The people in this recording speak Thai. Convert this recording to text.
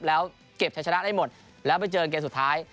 แล้วเก็บใช้ชนะได้หมดแล้วไปเจอเกมสุดท้าย